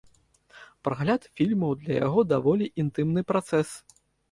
Прагляд фільмаў для яго даволі інтымны працэс.